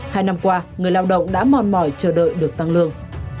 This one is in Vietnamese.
hai năm qua người lao động đã mòn mỏi chờ đợi được tăng lương